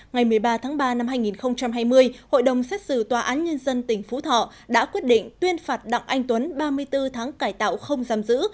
ngày một mươi ba tháng ba năm hai nghìn hai mươi hội đồng xét xử tòa án nhân dân tỉnh phú thọ đã quyết định tuyên phạt đặng anh tuấn ba mươi bốn tháng cải tạo không giam giữ